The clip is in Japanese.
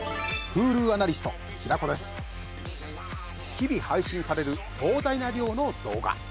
日々配信される膨大な量の動画。